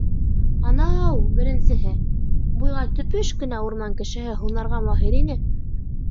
— Анау-у беренсеһе... буйға төпөш кенә урман кешеһе һунарға маһир ине.